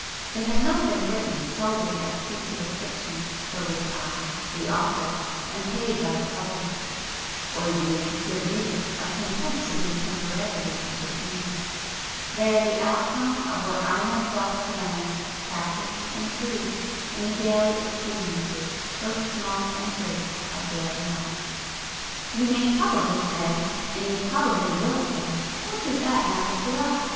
They have not been written solely as pieces of fiction for which I, the author, am paid by the publisher, or you, the reader, are content to be temporarily entertained, they are the outcome of what I myself have learned, practised and proved in the daily experiences, both small and great, of daily life. You may probably say and you probably WILL say "What does that matter to us?